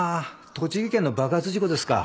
栃木県の爆発事故ですか。